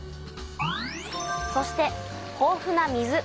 そして豊富な水。